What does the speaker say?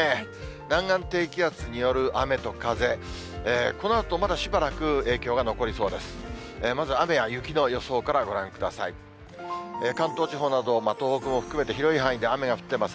南岸低気圧による雨と風、このあとまだしばらく、影響が残りそうです。